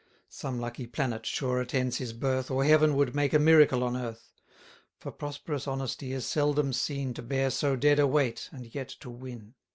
930 Some lucky planet sure attends his birth, Or Heaven would make a miracle on earth; For prosperous honesty is seldom seen To bear so dead a weight, and yet to win.